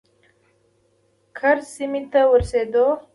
کرز سیمې ته ورسېدو.